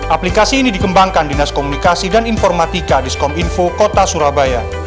aplikasi ini dikembangkan di nas komunikasi dan informatika di skom info kota surabaya